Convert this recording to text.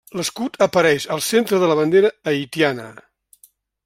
L'escut apareix al centre de la bandera haitiana.